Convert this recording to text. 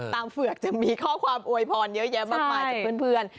เฝือกจะมีข้อความอวยพรเยอะแยะมากมายจากเพื่อน